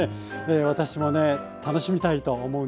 私もね楽しみたいと思うんですが。